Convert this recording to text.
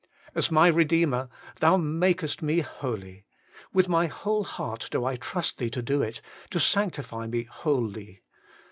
As my Kedeemer, Thou makest me holy. With my whole heart do I trust Thee to do it, to sanctify me wholly.